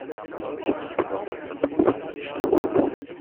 Ich mag besonders das Wüstenschiff.